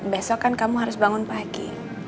besok kan kamu harus bangun pagi